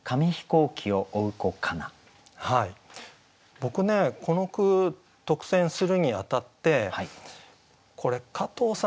僕ねこの句特選するにあたってこれ加藤さん